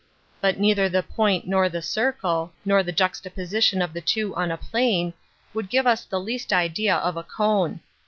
But neither the point nor the circle, nor the juxtaposition of the two on a plane, would give us the least idea of a cone.